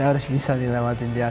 saya harus bisa penerus dia